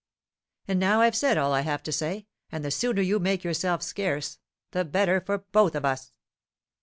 And now I've said all I have to say; and the sooner you make yourself scarce, the better for both of us."